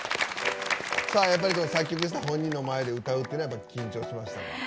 作曲した本人の前で歌うっていうのは緊張しましたか？